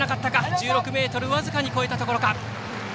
１６ｍ僅かに超えたところか。